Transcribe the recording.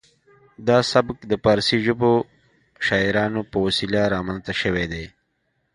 دا سبک د پارسي ژبو شاعرانو په وسیله رامنځته شوی دی